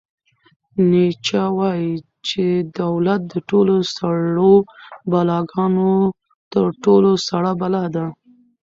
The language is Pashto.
نیچه وایي چې دولت د ټولو سړو بلاګانو تر ټولو سړه بلا ده.